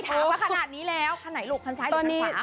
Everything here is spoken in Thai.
ถามว่าขนาดนี้แล้ว